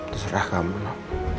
terserah kamu no